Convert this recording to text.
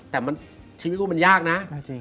แต่ชีวิตคู่มันยากนะ